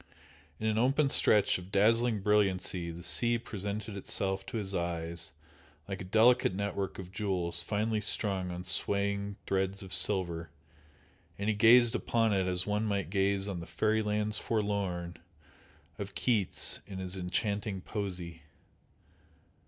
In an open stretch of dazzling brilliancy the sea presented itself to his eyes like a delicate network of jewels finely strung on swaying threads of silver, and he gazed upon it as one might gaze on the "fairy lands forlorn" of Keats in his enchanting poesy.